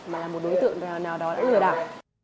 mà là một đối tượng nào đó đã lừa đảo